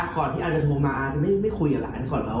ออก่อนที่ออจะโทรมาออจะไม่คุยกับหลานก่อนแล้ว